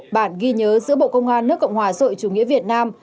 bản ghi nhớ giữa bộ công an nước cộng hòa sội chủ nghĩa việt nam